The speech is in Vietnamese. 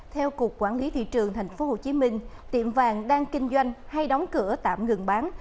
theo cục quản lý thị trường tp hcm tiệm vàng đang kinh doanh hay đóng cửa tạm ngừng bán